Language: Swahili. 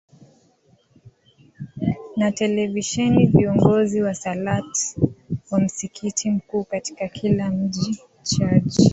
na televisheni viongozi wa salat wa msikiti mkuu katika kila mji jaji